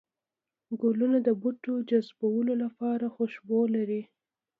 گلونه د بوټو جذبولو لپاره خوشبو لري